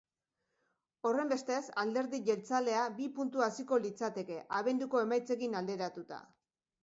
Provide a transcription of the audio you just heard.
Horrenbestez, alderdi jeltzalea bi puntu haziko litzateke, abenduko emaitzekin alderatuta.